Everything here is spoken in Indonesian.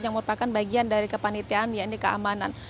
yang merupakan bagian dari kepanitiaan yaitu keamanan